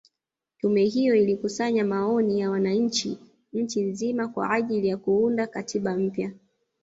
Tume hiyo ilikusanya maoni ya wananchi nchi nzima kwa ajili ya kuunda katiba mpya